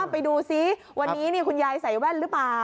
ไปดูซิวันนี้คุณยายใส่แว่นหรือเปล่า